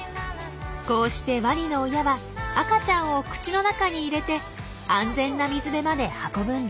こうしてワニの親は赤ちゃんを口の中に入れて安全な水辺まで運ぶんです。